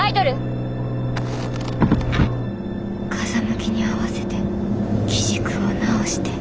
心の声風向きに合わせて機軸を直して。